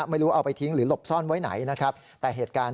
ไม่รู้เอาไปทิ้งหรือหลบซ่อนไว้ไหนนะครับ